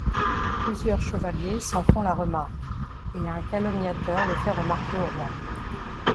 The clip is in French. Plusieurs chevaliers s'en font la remarque, et un calomniateur le fait remarquer au roi.